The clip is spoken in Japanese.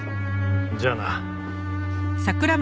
じゃあな。